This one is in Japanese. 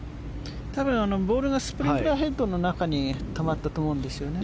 多分、ボールがスプリンクラーヘッドの中に止まったと思うんですね。